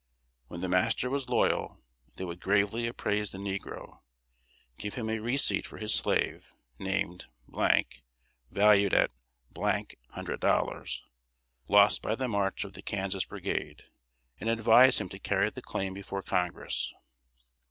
When the master was loyal, they would gravely appraise the negro; give him a receipt for his slave, named , valued at hundred dollars, "lost by the march of the Kansas Brigade," and advise him to carry the claim before Congress!